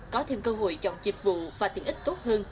có thêm cơ hội chọn dịch vụ và tiện ích tốt hơn